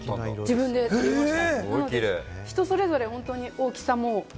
自分で取りました。